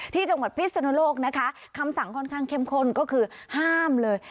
ที่จังหวัดพิศนุโลกนะคะคำสั่งค่อนข้างเข้มข้นก็คือห้ามเลย